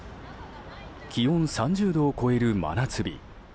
気温３０度を超える真夏日。